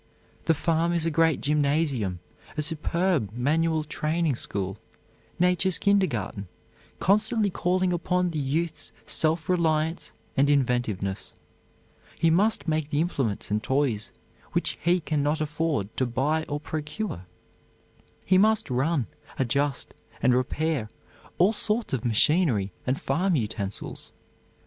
The farm is a great gymnasium, a superb manual training school, nature's kindergarten, constantly calling upon the youth's self reliance and inventiveness. He must make the implements and toys which he can not afford to buy or procure. He must run, adjust and repair all sorts of machinery and farm utensils.